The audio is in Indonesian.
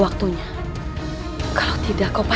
heather sudah berjaga atau apa